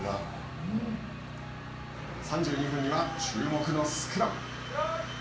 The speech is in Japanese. ３２分には注目のスクラム。